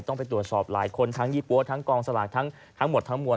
ต้องไปตรวจสอบหลายคนทั้งยี่ปั๊วทั้งกองสลากทั้งหมดทั้งมวล